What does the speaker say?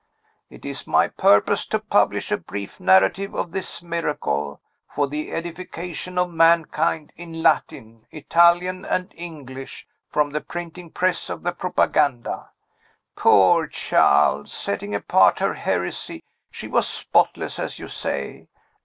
It is my purpose to publish a brief narrative of this miracle, for the edification of mankind, in Latin, Italian, and English, from the printing press of the Propaganda. Poor child! Setting apart her heresy, she was spotless, as you say.